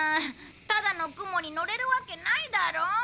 ただの雲にのれるわけないだろう。